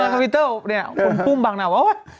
ในทวิตเตอร์บอกเนี่ยผมปุ้มบังหน่าวว่า